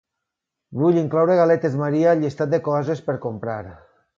Vull incloure galetes Maria al llistat de coses per comprar.